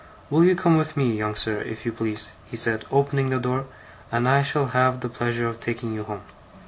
'Will you come with me, young sir, if you please,' he said, opening the door, 'and I shall have the pleasure of taking you home.